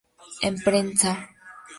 En prensa